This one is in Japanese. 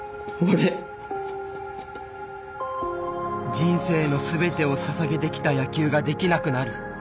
人生の全てをささげてきた野球ができなくなる。